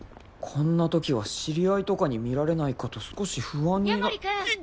こんなときは知り合いとかに見られないかと少し不安にな・夜守君！